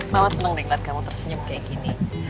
mama seneng deh ngeliat kamu tersenyum kayak gini